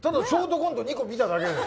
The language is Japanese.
ショートコント２個見ただけ。